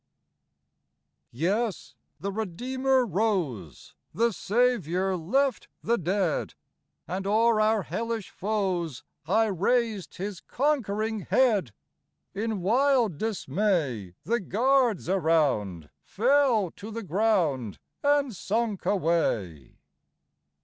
Yes, the Redeemer rose ; The Saviour left the dead, And o'er our hellish foes High raised His conquering head, In wild dismay, The guards around Fell to the ground, And sunk away.